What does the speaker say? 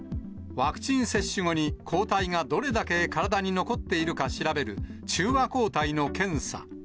ワクチン接種後に抗体がどれだけ体に残っているか調べる、中和抗体の検査。